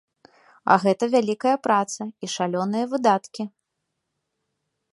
А гэта вялікая праца і шалёныя выдаткі.